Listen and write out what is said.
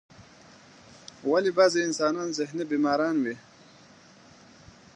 ولی بازی انسانان ذهنی بیماران وی ؟